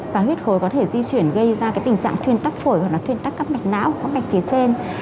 và huyết khối có thể di chuyển gây ra tình trạng thuyền tắc phổi hoặc là thuyền tắc các mạch não các mạch phía trên